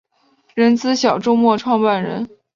人资小周末创办人